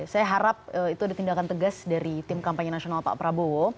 saya harap itu ada tindakan tegas dari tim kampanye nasional pak prabowo